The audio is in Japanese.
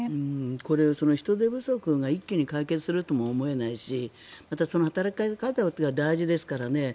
これは人手不足が一気に解決するとも思えないしまた、働き方改革は大事ですからね。